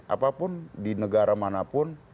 apapun di negara manapun